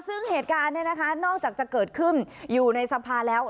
ซึ่งเหตุการณ์เนี่ยนะคะนอกจากจะเกิดขึ้นอยู่ในสภาแล้ว